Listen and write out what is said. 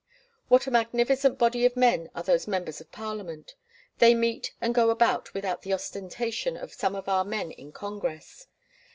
What a magnificent body of men are those Members of Parliament. They meet and go about without the ostentation of some of our men in Congress.